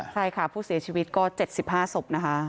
ใช่ค่ะผู้เสียชีวิตก็๗๕ศพนะคะ